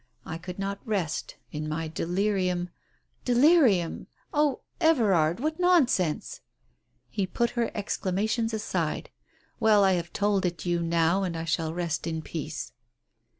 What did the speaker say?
I could not rest. In my delirium "" Delirium ! Oh, Everard, what nonsense !" He put her exclamations aside. "Well, I have told it you now, and I shall rest in peace."